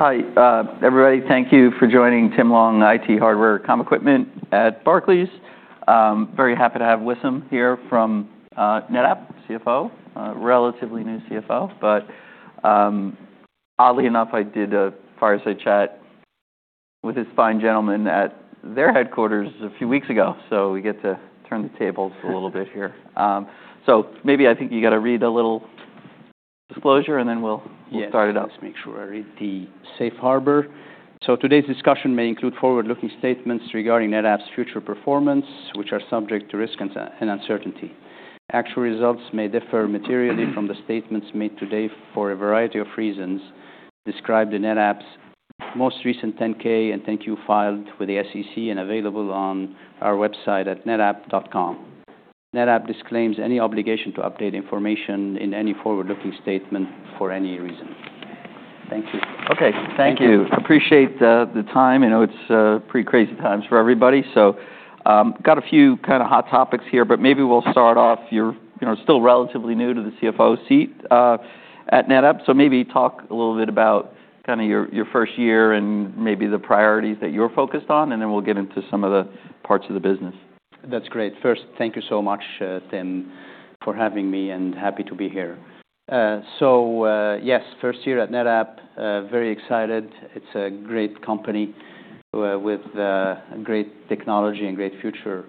Hi, everybody. Thank you for joining. Tim Long, IT Hardware, Comm Equipment at Barclays. Very happy to have Wissam here from NetApp, CFO. Relatively new CFO, but oddly enough, I did a fireside chat with this fine gentleman at their headquarters a few weeks ago, so we get to turn the tables a little bit here, so maybe I think you gotta read a little disclosure, and then we'll start it up. Yeah, just make sure I read the Safe Harbor. So today's discussion may include forward-looking statements regarding NetApp's future performance, which are subject to risk and uncertainty. Actual results may differ materially from the statements made today for a variety of reasons. Described in NetApp's most recent 10-K and 10-Q filed with the SEC and available on our website at netapp.com. NetApp disclaims any obligation to update information in any forward-looking statement for any reason. Thank you. Okay. Thank you. Appreciate the time. I know it's pretty crazy times for everybody, so got a few kinda hot topics here, but maybe we'll start off. You're, you know, still relatively new to the CFO seat at NetApp, so maybe talk a little bit about kinda your first year and maybe the priorities that you're focused on, and then we'll get into some of the parts of the business. That's great. First, thank you so much, Tim, for having me and happy to be here. Yes, first year at NetApp, very excited. It's a great company with great technology and great future.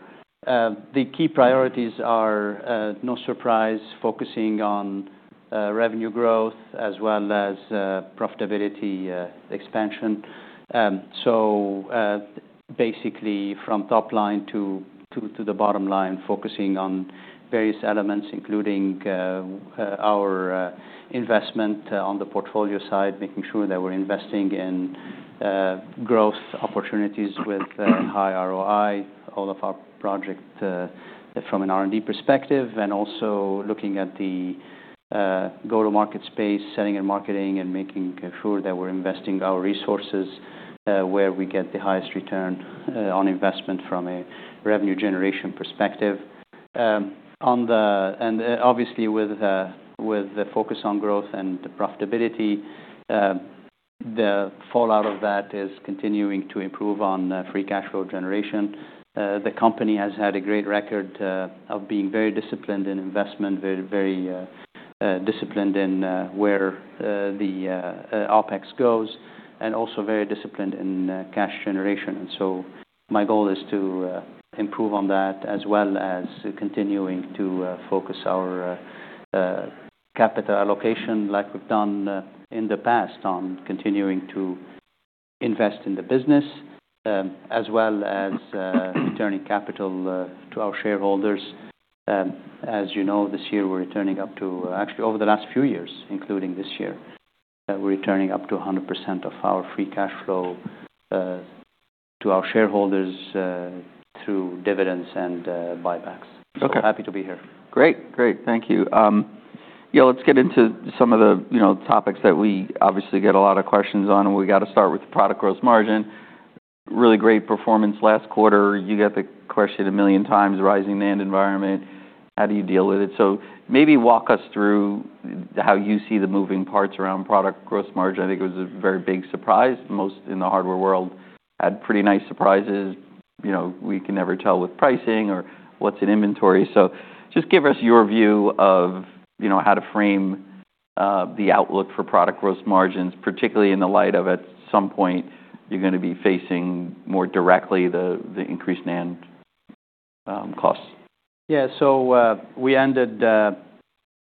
The key priorities are, no surprise, focusing on revenue growth as well as profitability expansion. Basically from top line to the bottom line, focusing on various elements including our investment on the portfolio side, making sure that we're investing in growth opportunities with high ROI, all of our projects from an R&D perspective, and also looking at the go-to-market space, selling and marketing, and making sure that we're investing our resources where we get the highest return on investment from a revenue generation perspective. Obviously with the focus on growth and profitability, the fallout of that is continuing to improve on free cash flow generation. The company has had a great record of being very disciplined in investment, very, very disciplined in where the OpEx goes, and also very disciplined in cash generation, and so my goal is to improve on that as well as continuing to focus our capital allocation like we've done in the past on continuing to invest in the business, as well as returning capital to our shareholders. As you know, this year we're returning up to, actually over the last few years, including this year, we're returning up to 100% of our free cash flow to our shareholders through dividends and buybacks. Okay. So happy to be here. Great. Great. Thank you. Yeah, let's get into some of the, you know, topics that we obviously get a lot of questions on, and we gotta start with product gross margin. Really great performance last quarter. You got the question a million times, rising NAND environment. How do you deal with it? So maybe walk us through how you see the moving parts around product gross margin? I think it was a very big surprise. Most in the hardware world had pretty nice surprises. You know, we can never tell with pricing or what's in inventory. So just give us your view of, you know, how to frame, the outlook for product gross margins, particularly in the light of at some point you're gonna be facing more directly the increased NAND costs. Yeah. So we ended our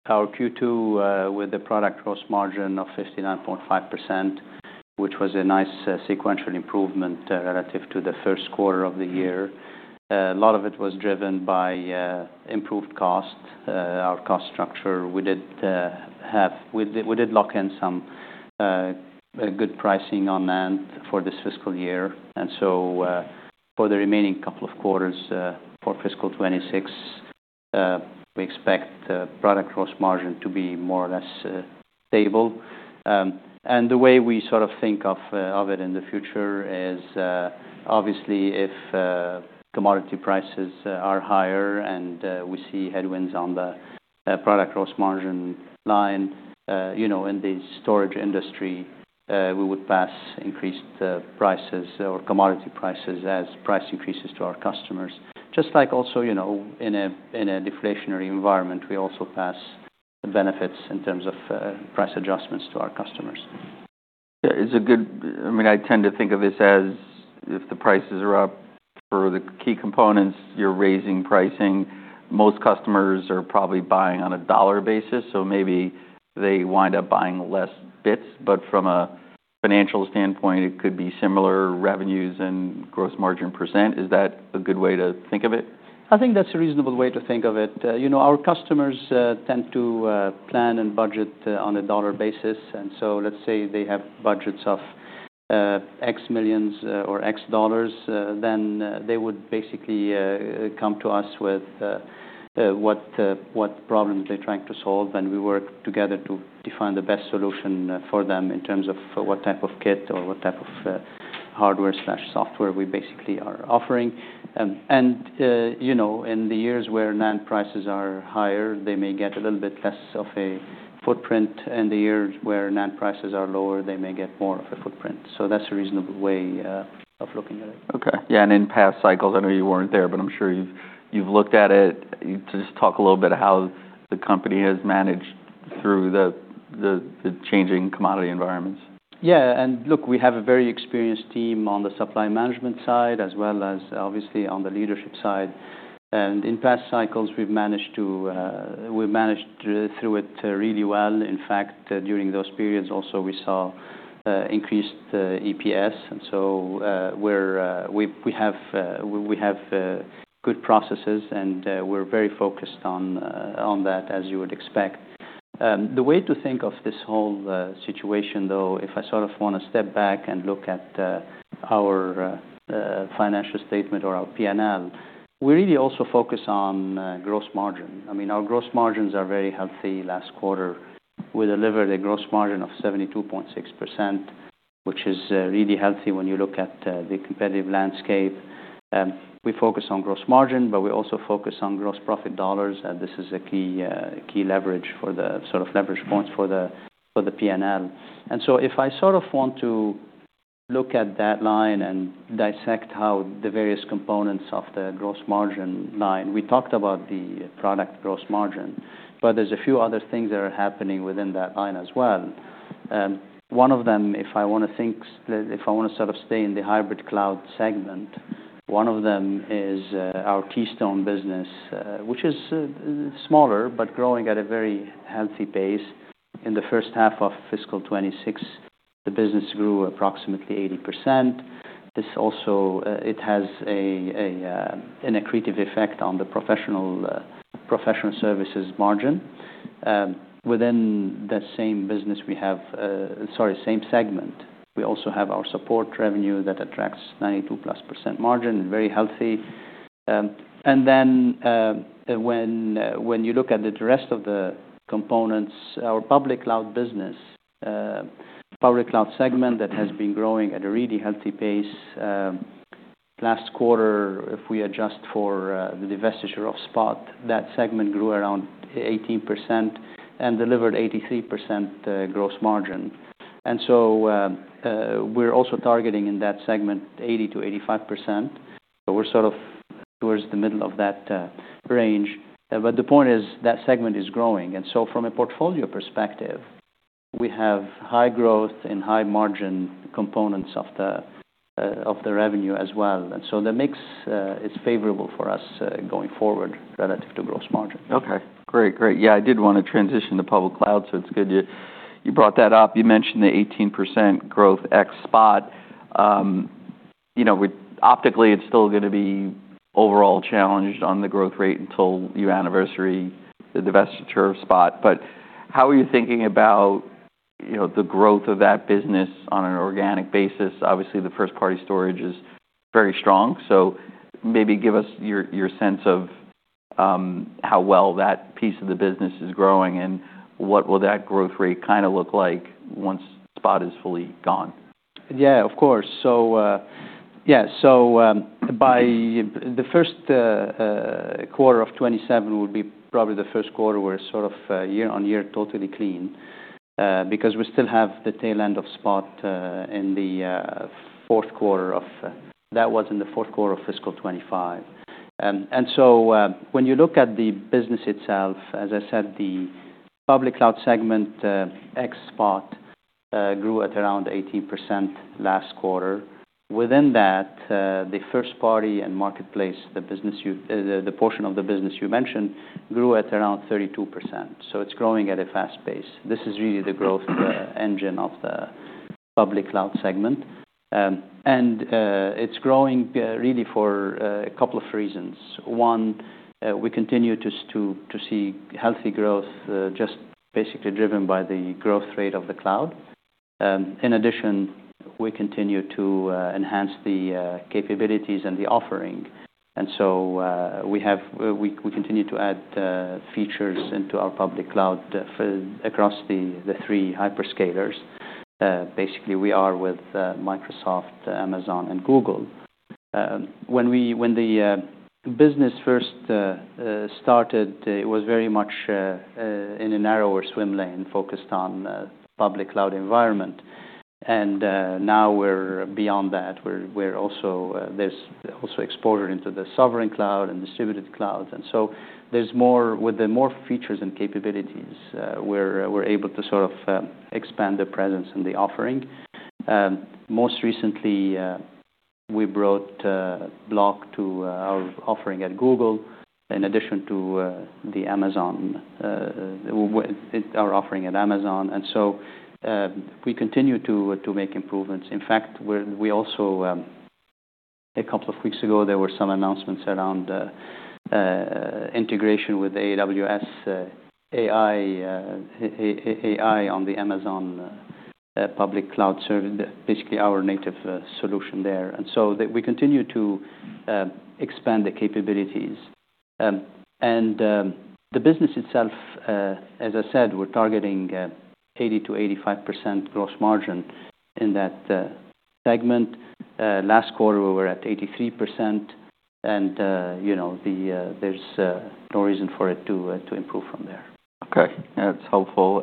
Q2 with a product gross margin of 59.5%, which was a nice sequential improvement relative to the first quarter of the year. A lot of it was driven by improved costs, our cost structure. We did lock in some good pricing on NAND for this fiscal year. And so, for the remaining couple of quarters for fiscal 2026, we expect product gross margin to be more or less stable, and the way we sort of think of it in the future is obviously if commodity prices are higher and we see headwinds on the product gross margin line, you know, in the storage industry, we would pass increased prices or commodity prices as price increases to our customers. Just like also, you know, in a deflationary environment, we also pass benefits in terms of price adjustments to our customers. Yeah. It's a good, I mean, I tend to think of this as if the prices are up for the key components, you're raising pricing. Most customers are probably buying on a dollar basis, so maybe they wind up buying less bits. But from a financial standpoint, it could be similar revenues and gross margin percent. Is that a good way to think of it? I think that's a reasonable way to think of it. You know, our customers tend to plan and budget on a dollar basis. And so let's say they have budgets of X millions or X dollars, then they would basically come to us with what, what problems they're trying to solve, and we work together to define the best solution for them in terms of what type of kit or what type of hardware/software we basically are offering. And you know, in the years where NAND prices are higher, they may get a little bit less of a footprint. In the years where NAND prices are lower, they may get more of a footprint. So that's a reasonable way of looking at it. Okay. Yeah, and in past cycles, I know you weren't there, but I'm sure you've looked at it. You can just talk a little bit how the company has managed through the changing commodity environments. Yeah. And look, we have a very experienced team on the supply management side as well as, obviously, on the leadership side. And in past cycles, we've managed to through it really well. In fact, during those periods also, we saw increased EPS. And so, we have good processes, and we're very focused on that as you would expect. The way to think of this whole situation though, if I sort of wanna step back and look at our financial statement or our P&L, we really also focus on gross margin. I mean, our gross margins are very healthy last quarter. We delivered a gross margin of 72.6%, which is really healthy when you look at the competitive landscape. We focus on gross margin, but we also focus on gross profit dollars, and this is a key leverage for the sort of leverage points for the P&L. And so if I sort of want to look at that line and dissect how the various components of the gross margin line, we talked about the product gross margin, but there's a few other things that are happening within that line as well. One of them, if I wanna sort of stay in the Hybrid Cloud segment, one of them is our Keystone business, which is smaller but growing at a very healthy pace. In the first half of fiscal 2026, the business grew approximately 80%. This also has an accretive effect on the professional services margin. Within the same business, we have, sorry, same segment, we also have our support revenue that attracts 92+% margin, very healthy. And then, when you look at the rest of the components, our public cloud business, Public Cloud segment that has been growing at a really healthy pace, last quarter, if we adjust for the divestiture of Spot, that segment grew around 18% and delivered 83% gross margin. And so, we're also targeting in that segment 80%-85%. So we're sort of towards the middle of that range. But the point is that segment is growing. And so from a portfolio perspective, we have high growth and high margin components of the revenue as well. And so the mix is favorable for us, going forward relative to gross margin. Okay. Great. Great. Yeah. I did wanna transition to public cloud, so it's good you brought that up. You mentioned the 18% growth ex-Spot. You know, optically, it's still gonna be overall challenged on the growth rate until your anniversary divestiture Spot. But how are you thinking about, you know, the growth of that business on an organic basis? Obviously, the first-party storage is very strong. So maybe give us your sense of how well that piece of the business is growing and what will that growth rate kinda look like once Spot is fully gone? Yeah, of course. So, yeah. So, by the first quarter of 2027 would be probably the first quarter where it's sort of year on year totally clean, because we still have the tail end of Spot in the fourth quarter of fiscal 2025, and so when you look at the business itself, as I said, the Public Cloud segment ex-Spot grew at around 18% last quarter. Within that, the first-party and marketplace, the business, the portion of the business you mentioned grew at around 32%. So it's growing at a fast pace. This is really the growth engine of the Public Cloud segment, and it's growing really for a couple of reasons. One, we continue to see healthy growth just basically driven by the growth rate of the cloud. In addition, we continue to enhance the capabilities and the offering, so we continue to add features into our public cloud across the three hyperscalers. Basically, we are with Microsoft, Amazon, and Google. When the business first started, it was very much in a narrower swim lane focused on public cloud environment, and now we're beyond that. There's also exposure into the sovereign cloud and distributed clouds, and so there's more with the more features and capabilities, so we're able to sort of expand the presence and the offering. Most recently, we brought block to our offering at Google in addition to the Amazon with our offering at Amazon, so we continue to make improvements. In fact, we also, a couple of weeks ago, there were some announcements around integration with AWS AI on the Amazon public cloud service, basically our native solution there. And so that we continue to expand the capabilities. And the business itself, as I said, we're targeting 80%-85% gross margin in that segment. Last quarter, we were at 83%. And you know, there's no reason for it to improve from there. Okay. That's helpful.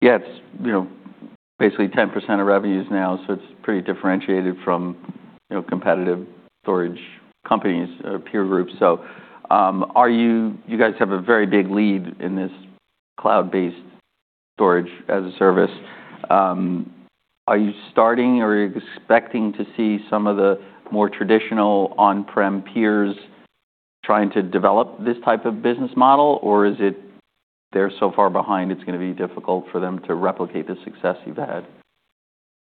Yeah, it's, you know, basically 10% of revenues now, so it's pretty differentiated from, you know, competitive storage companies, peer groups. So, are you, you guys have a very big lead in this cloud-based storage as a service. Are you starting or expecting to see some of the more traditional on-prem peers trying to develop this type of business model, or is it they're so far behind, it's gonna be difficult for them to replicate the success you've had?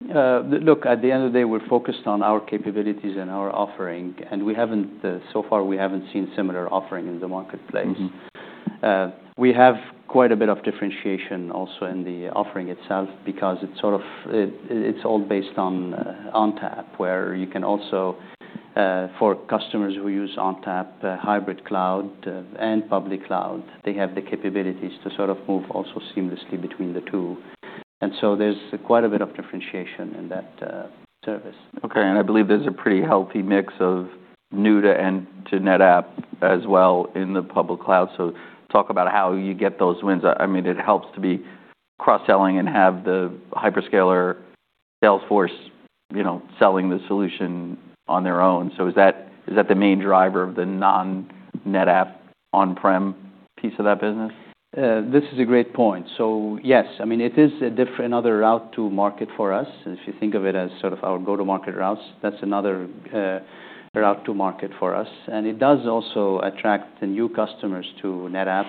Look, at the end of the day, we're focused on our capabilities and our offering, and, so far, we haven't seen similar offering in the marketplace. Mm-hmm. We have quite a bit of differentiation also in the offering itself because it's sort of, it's all based on ONTAP, where you can also, for customers who use ONTAP, Hybrid Cloud, and Public Cloud, they have the capabilities to sort of move also seamlessly between the two. And so there's quite a bit of differentiation in that service. Okay. And I believe there's a pretty healthy mix of NVIDIA and NetApp too as well in the public cloud. So talk about how you get those wins? I mean, it helps to be cross-selling and have the hyperscaler sales force, you know, selling the solution on their own. So is that the main driver of the non-NetApp on-prem piece of that business? This is a great point. So yes, I mean, it is a different, another route to market for us. If you think of it as sort of our go-to-market routes, that's another route to market for us. And it does also attract the new customers to NetApp,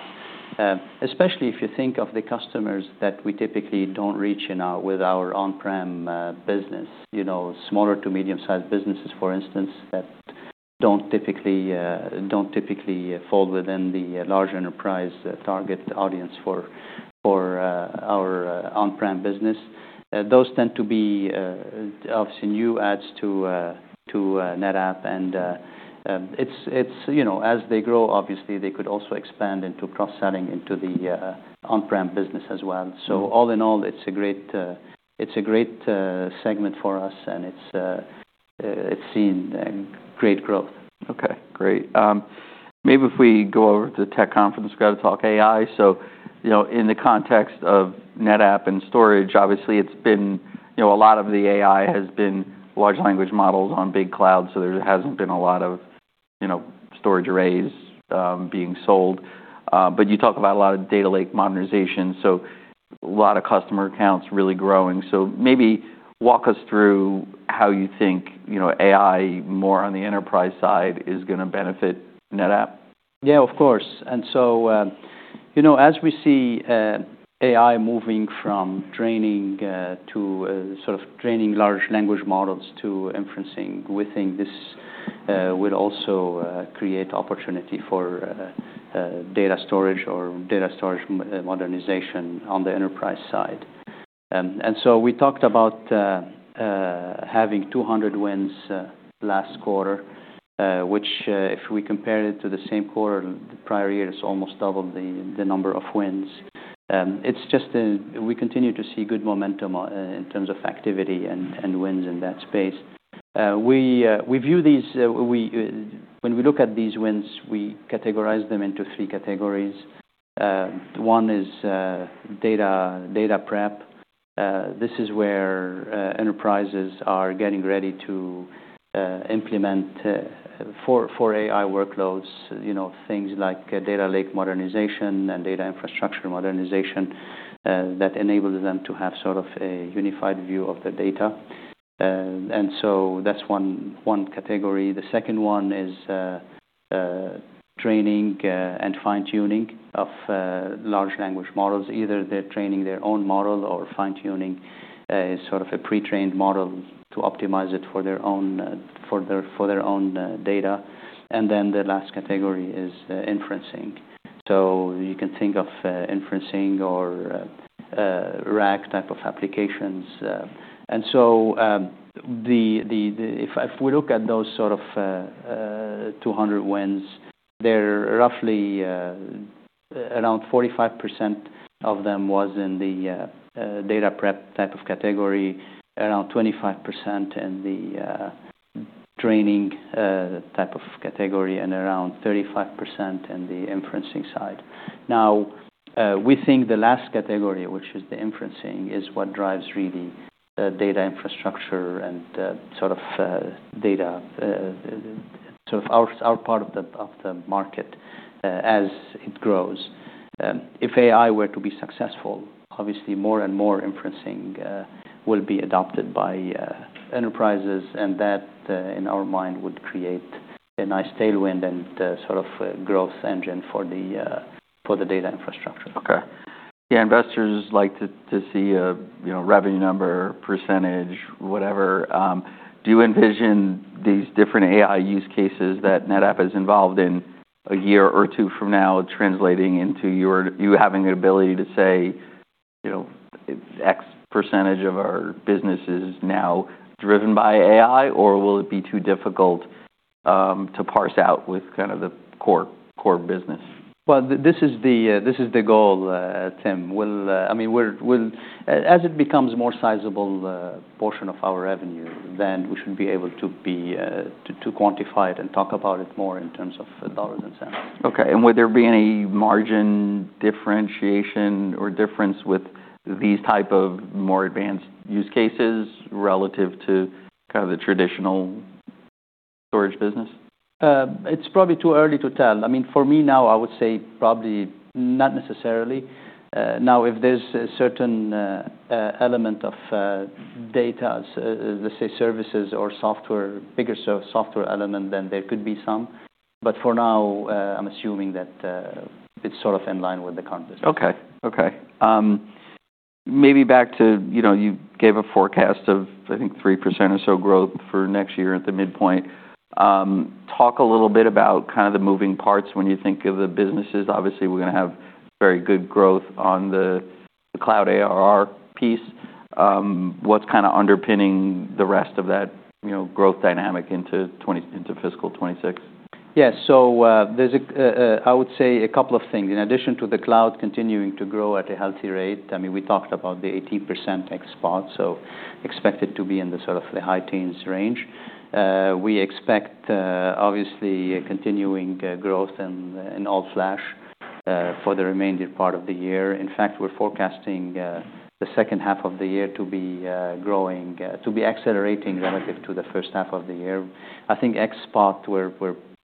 especially if you think of the customers that we typically don't reach with our on-prem business, you know, smaller to medium-sized businesses, for instance, that don't typically fall within the large enterprise target audience for our on-prem business. Those tend to be obviously new adds to NetApp. And it's, you know, as they grow, obviously, they could also expand into cross-selling into the on-prem business as well. So all in all, it's a great segment for us, and it's seen great growth. Okay. Great. Maybe if we go over to the tech conference, we gotta talk AI, so you know, in the context of NetApp and storage, obviously, it's been, you know, a lot of the AI has been large language models on big cloud, so there hasn't been a lot of, you know, storage arrays being sold, but you talk about a lot of data lake modernization, so a lot of customer accounts really growing, so maybe walk us through how you think, you know, AI more on the enterprise side is gonna benefit NetApp. Yeah, of course. And so, you know, as we see, AI moving from training to sort of training large language models to inferencing within this would also create opportunity for data storage or data storage modernization on the enterprise side. And so we talked about having 200 wins last quarter, which if we compare it to the same quarter the prior year has almost doubled the number of wins. It's just we continue to see good momentum in terms of activity and wins in that space. We view these when we look at these wins, we categorize them into three categories. One is data prep. This is where enterprises are getting ready to implement for AI workloads, you know, things like data lake modernization and data infrastructure modernization that enables them to have sort of a unified view of the data. And so that's one category. The second one is training and fine-tuning of large language models. Either they're training their own model or fine-tuning sort of a pre-trained model to optimize it for their own data. And then the last category is inferencing. So you can think of inferencing or RAG-type of applications. And so if we look at those sort of 200 wins, they're roughly around 45% of them was in the data prep type of category, around 25% in the training type of category, and around 35% in the inferencing side. Now, we think the last category, which is the inferencing, is what drives really data infrastructure and sort of our part of the market as it grows. If AI were to be successful, obviously, more and more inferencing will be adopted by enterprises, and that, in our mind, would create a nice tailwind and, sort of, growth engine for the data infrastructure. Okay. Yeah. Investors like to see a, you know, revenue number, percentage, whatever. Do you envision these different AI use cases that NetApp is involved in a year or two from now translating into you having an ability to say, you know, X% of our business is now driven by AI, or will it be too difficult to parse out with kind of the core business? This is the goal, Tim. I mean, as it becomes more sizable portion of our revenue, then we should be able to quantify it and talk about it more in terms of dollars and cents. Okay, and would there be any margin differentiation or difference with these type of more advanced use cases relative to kind of the traditional storage business? It's probably too early to tell. I mean, for me now, I would say probably not necessarily. Now, if there's a certain element of data services, let's say services or software, bigger software element, then there could be some. But for now, I'm assuming that it's sort of in line with the current business. Okay. Okay. Maybe back to, you know, you gave a forecast of, I think, 3% or so growth for next year at the midpoint. Talk a little bit about kind of the moving parts when you think of the businesses. Obviously, we're gonna have very good growth on the cloud ARR piece. What's kinda underpinning the rest of that, you know, growth dynamic into 2025 into fiscal 2026? Yeah. So, there's, I would say, a couple of things. In addition to the cloud continuing to grow at a healthy rate, I mean, we talked about the 18% ex-Spot, so expect it to be in the sort of the high teens range. We expect, obviously, continuing growth in all-flash for the remainder part of the year. In fact, we're forecasting the second half of the year to be growing, to be accelerating relative to the first half of the year. I think ex-Spot, we're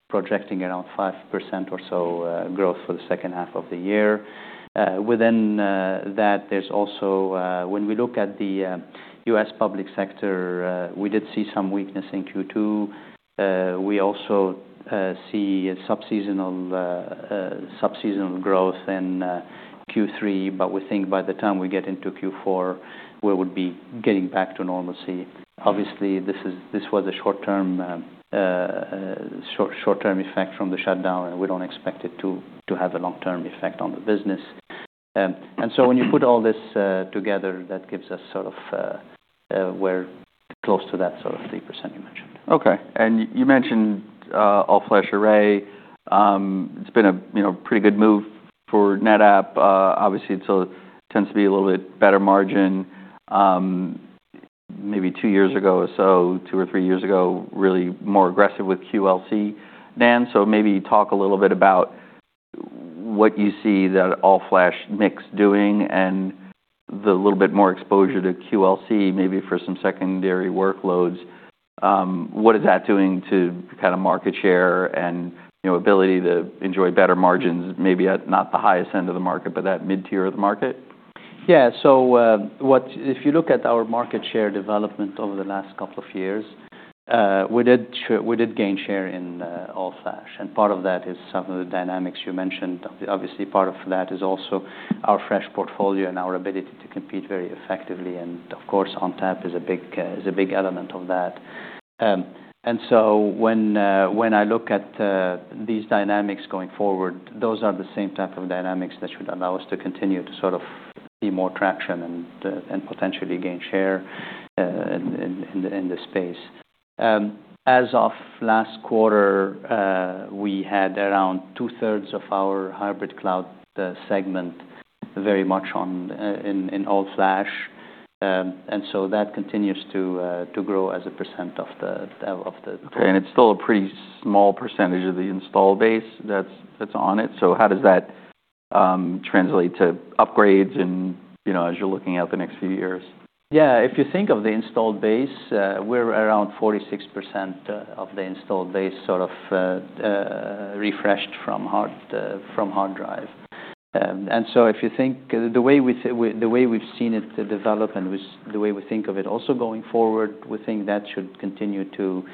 projecting around 5% or so growth for the second half of the year. Within that, there's also, when we look at the U.S. public sector, we did see some weakness in Q2. We also see subseasonal growth in Q3. But we think by the time we get into Q4, we would be getting back to normalcy. Obviously, this was a short-term effect from the shutdown, and we don't expect it to have a long-term effect on the business, and so when you put all this together, that gives us sort of, we're close to that sort of 3% you mentioned. Okay. And you mentioned all-flash array. It's been a, you know, pretty good move for NetApp. Obviously, it still tends to be a little bit better margin. Maybe two years ago or so, two or three years ago, really more aggressive with QLC, NAND. So maybe talk a little bit about what you see that all-flash mix doing and the little bit more exposure to QLC, maybe for some secondary workloads. What is that doing to kinda market share and, you know, ability to enjoy better margins, maybe at not the highest end of the market, but that mid-tier of the market? Yeah. So, what if you look at our market share development over the last couple of years? We did gain share in all-flash. And part of that is some of the dynamics you mentioned. Obviously, part of that is also our fresh portfolio and our ability to compete very effectively. And of course, ONTAP is a big element of that. So when I look at these dynamics going forward, those are the same type of dynamics that should allow us to continue to sort of be more traction and potentially gain share in the space. As of last quarter, we had around 2/3 of our Hybrid Cloud segment very much on all-flash. And so that continues to grow as a percent of the. Okay. And it's still a pretty small percentage of the installed base that's on it. So how does that translate to upgrades and, you know, as you're looking at the next few years? Yeah. If you think of the installed base, we're around 46% of the installed base sort of refreshed from hard drive, and so if you think of the way we've seen it develop and the way we think of it also going forward, we think that should continue to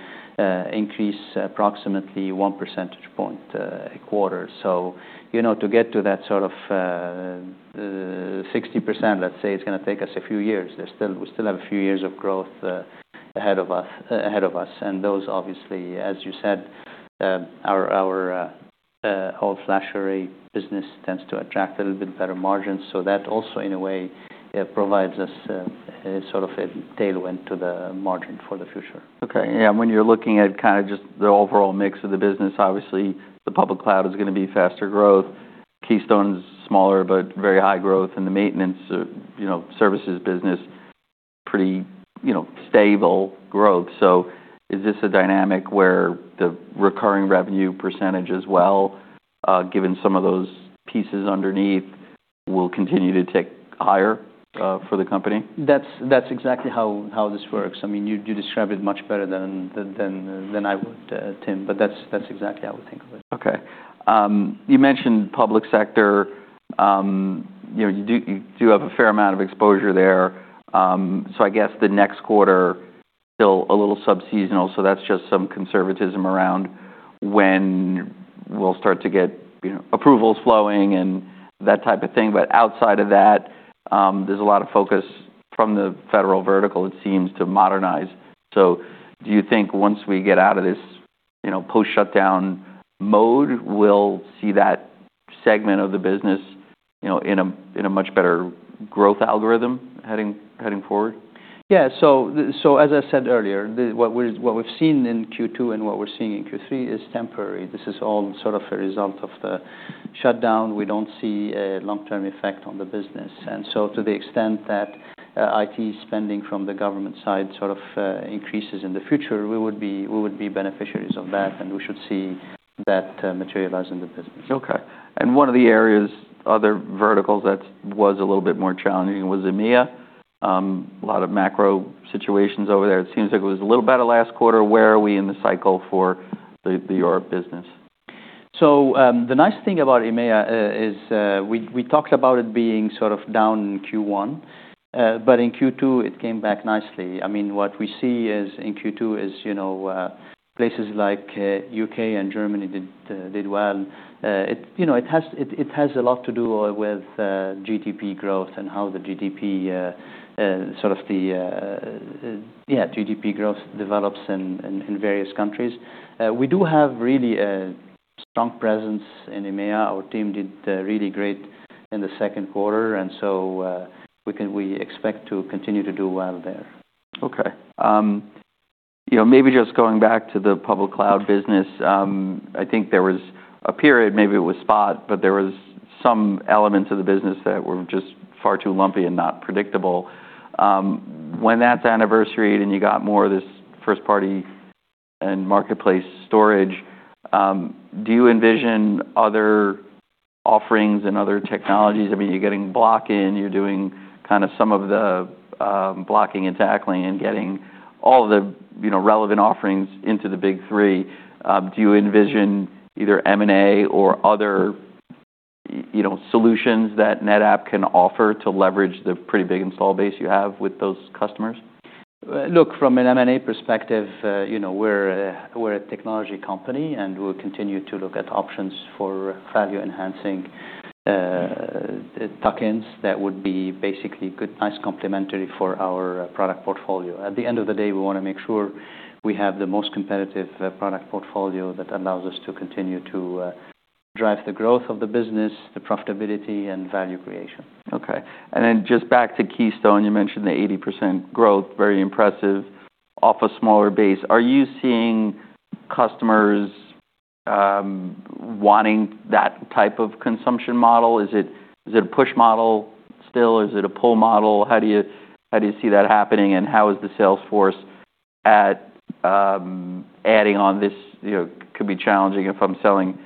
increase approximately one percentage point a quarter. So, you know, to get to that sort of 60%, let's say, it's gonna take us a few years. We still have a few years of growth ahead of us. Those, obviously, as you said, our all-flash array business tends to attract a little bit better margins. So that also, in a way, provides us sort of a tailwind to the margin for the future. Okay. Yeah. When you're looking at kinda just the overall mix of the business, obviously, the public cloud is gonna be faster growth, Keystone's smaller, but very high growth, and the maintenance, you know, services business, pretty, you know, stable growth. So is this a dynamic where the recurring revenue percentage as well, given some of those pieces underneath, will continue to tick higher, for the company? That's exactly how this works. I mean, you described it much better than I would, Tim. But that's exactly how we think of it. Okay. You mentioned public sector. You know, you do, you do have a fair amount of exposure there. So I guess the next quarter still a little subseasonal. So that's just some conservatism around when we'll start to get, you know, approvals flowing and that type of thing. But outside of that, there's a lot of focus from the federal vertical, it seems, to modernize. So do you think once we get out of this, you know, post-shutdown mode, we'll see that segment of the business, you know, in a, in a much better growth algorithm heading, heading forward? Yeah. So as I said earlier, what we've seen in Q2 and what we're seeing in Q3 is temporary. This is all sort of a result of the shutdown. We don't see a long-term effect on the business, and so to the extent that IT spending from the government side sort of increases in the future, we would be beneficiaries of that, and we should see that materialize in the business. Okay. And one of the areas, other verticals that was a little bit more challenging was EMEA. A lot of macro situations over there. It seems like it was a little better last quarter. Where are we in the cycle for the Europe business? So, the nice thing about EMEA is, we talked about it being sort of down in Q1, but in Q2, it came back nicely. I mean, what we see in Q2 is, you know, places like U.K. and Germany did well. You know, it has a lot to do with GDP growth and how the GDP growth develops in various countries. We do have really a strong presence in EMEA. Our team did really great in the second quarter. And so, we expect to continue to do well there. Okay. You know, maybe just going back to the public cloud business, I think there was a period, maybe it was Spot, but there was some elements of the business that were just far too lumpy and not predictable. When that's anniversary and you got more of this first-party and marketplace storage, do you envision other offerings and other technologies? I mean, you're getting block in, you're doing kinda some of the, blocking and tackling and getting all the, you know, relevant offerings into the big three. Do you envision either M&A or other, you know, solutions that NetApp can offer to leverage the pretty big install base you have with those customers? Look, from an M&A perspective, you know, we're a technology company, and we'll continue to look at options for value-enhancing tuck-ins that would be basically good, nice complementary for our product portfolio. At the end of the day, we wanna make sure we have the most competitive product portfolio that allows us to continue to drive the growth of the business, the profitability, and value creation. Okay, and then just back to Keystone, you mentioned the 80% growth, very impressive, off a smaller base. Are you seeing customers wanting that type of consumption model? Is it a push model still? Is it a pull model? How do you see that happening? And how is the sales force at adding on this? You know, could be challenging if I'm selling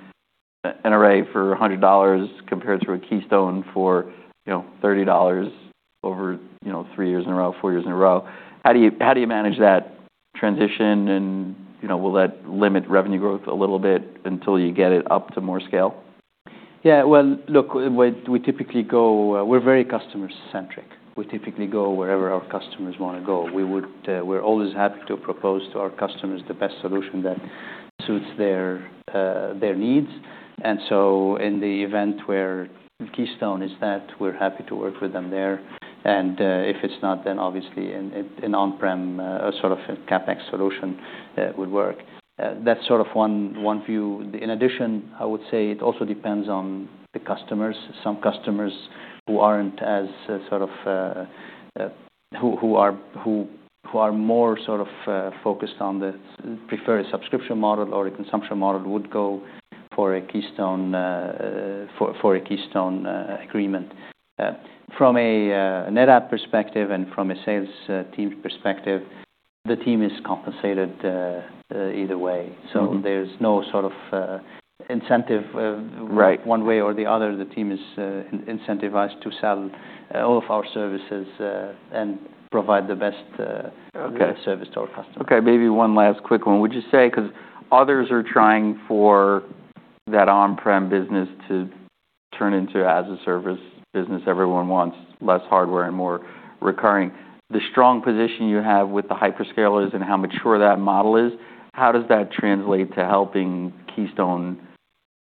an array for $100 compared to a Keystone for, you know, $30 over, you know, three years in a row, four years in a row. How do you manage that transition? And, you know, will that limit revenue growth a little bit until you get it up to more scale? Yeah. Well, look, we typically go. We're very customer-centric. We typically go wherever our customers wanna go. We're always happy to propose to our customers the best solution that suits their needs. And so in the event where Keystone is that, we're happy to work with them there. And if it's not, then obviously an on-prem sort of a CapEx solution would work. That's sort of one view. In addition, I would say it also depends on the customers. Some customers who aren't as sort of who are more sort of focused on the prefer a subscription model or a consumption model would go for a Keystone agreement. From a NetApp perspective and from a sales team perspective, the team is compensated either way. So there's no sort of incentive. Right. One way or the other, the team is incentivized to sell all of our services and provide the best. Okay. Service to our customers. Okay. Maybe one last quick one. Would you say, 'cause others are trying for that on-prem business to turn into as-a-service business, everyone wants less hardware and more recurring. The strong position you have with the hyperscalers and how mature that model is? How does that translate to helping Keystone?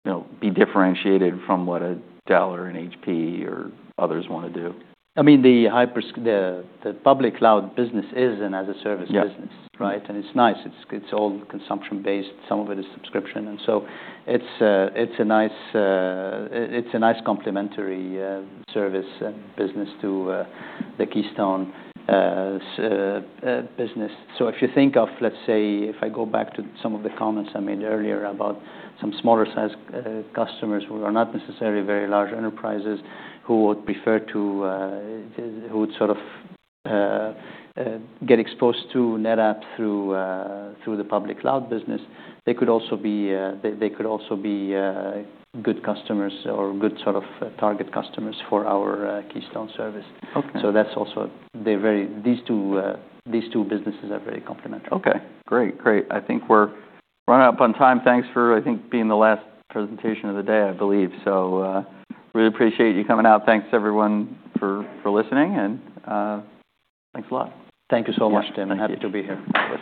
You know, be differentiated from what a Dell or an HP or others wanna do? I mean, the hyperscalers, the public cloud business is an as-a-service business. Yes. Right? And it's nice. It's all consumption-based. Some of it is subscription. And so it's a nice complementary service and business to the Keystone's business. So if you think of, let's say, if I go back to some of the comments I made earlier about some smaller-size customers who are not necessarily very large enterprises who would prefer to sort of get exposed to NetApp through the public cloud business, they could also be good customers or good sort of target customers for our Keystone service. Okay. So that's also. These two businesses are very complementary. Okay. Great. Great. I think we're running up on time. Thanks for, I think, being the last presentation of the day, I believe. So, really appreciate you coming out. Thanks, everyone, for listening. And, thanks a lot. Thank you so much, Tim. Happy to be here.